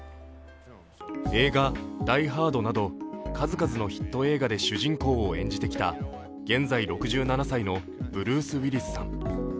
映画「ダイ・ハード」など数々のヒット映画で主人公を演じてきた現在６７歳のブルース・ウィリスさん